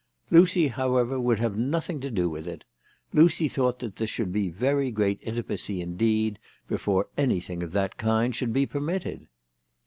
Lucy, however, would have nothing to do with it. Lucy thought that there should be very great intimacy indeed before anything of that kind should be permitted.